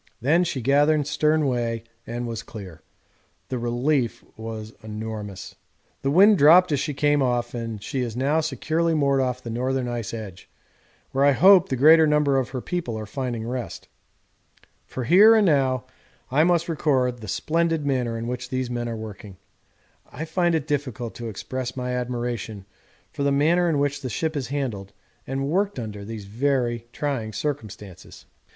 Then she gathered stern way and was clear. The relief was enormous. The wind dropped as she came off, and she is now securely moored off the northern ice edge, where I hope the greater number of her people are finding rest. For here and now I must record the splendid manner in which these men are working. I find it difficult to express my admiration for the manner in which the ship is handled and worked under these very trying circumstances.